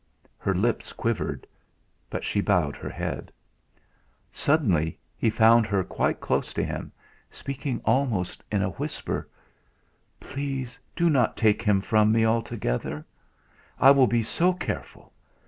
Her lips quivered; but she bowed her head. Suddenly he found her quite close to him, speaking almost in a whisper: "Please do not take him from me altogether. I will be so careful.